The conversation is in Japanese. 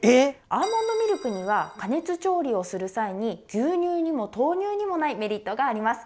アーモンドミルクには加熱調理をする際に牛乳にも豆乳にもないメリットがあります。